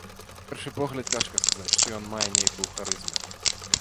На першы погляд, цяжка сказаць, што ён мае нейкую харызму.